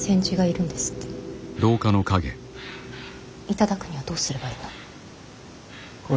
頂くにはどうすればいいの。